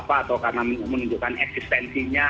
atau karena menunjukkan eksistensinya